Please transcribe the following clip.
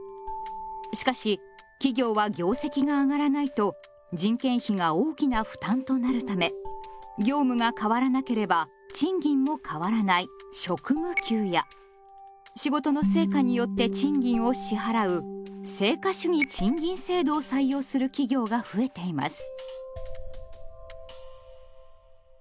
しかし企業は業績があがらないと人件費が大きな負担となるため業務が変わらなければ賃金も変わらない「職務給」や仕事の成果によって賃金を支払う「成果主義賃金制度」を採用する企業が増えています。